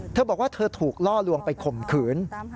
เธอบอกว่าเธอถูกล่อลวงไปข่มขืน